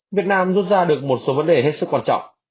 việt nam rút ra được một số vấn đề hết sức quan trọng